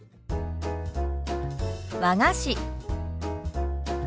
「和菓子」。